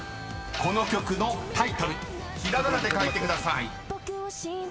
［この曲のタイトルひらがなで書いてください］